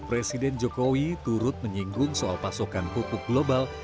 presiden jokowi turut menyinggung soal pasokan pupuk global